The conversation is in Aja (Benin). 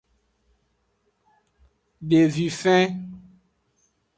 Devifen.